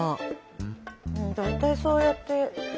大体そうやって。